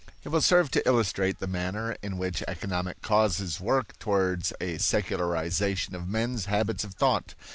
It will serve to illustrate the manner in which economic causes work towards a secularization of men's habits of thought.